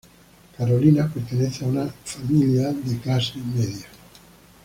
Carolina pertenece a una familia de clase media.